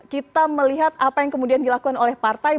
kita melihat apa yang kemudian dilakukan oleh partai